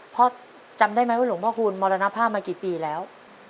จำได้ไหมว่าหลวงพ่อคูณมรณภาพมากี่ปีแล้ว